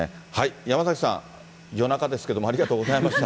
山崎さん、夜中ですけれども、ありがとうございました。